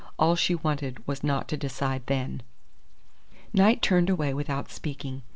All she wanted was not to decide then. Knight turned away without speaking.